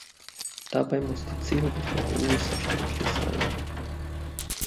Dabei muss die Zielrichtung unmissverständlich sein.